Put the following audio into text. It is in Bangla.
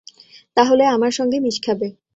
তাহলে আমার সঙ্গে মিশ খাবে।